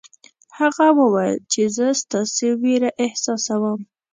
هغه وویل چې زه ستاسې وېره احساسوم.